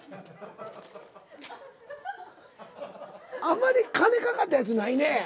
あんまり金かかったやつないねぇ。